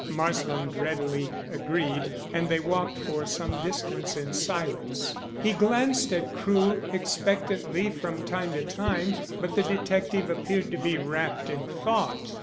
Marsland readily agreed, and they walked for some distance in silence. He glanced at Crewe expectantly from time to time, but the detective appeared to be wrapped in thought.